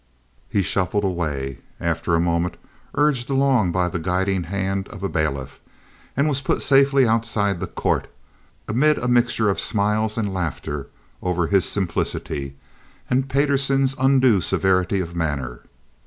He shuffled away, after a moment, urged along by the guiding hand of a bailiff, and was put safely outside the court, amid a mixture of smiles and laughter over his simplicity and Payderson's undue severity of manner.